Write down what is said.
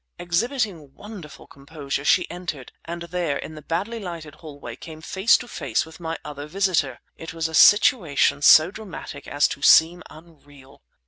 Exhibiting wonderful composure, she entered—and there, in the badly lighted hallway came face to face with my other visitor! It was a situation so dramatic as to seem unreal.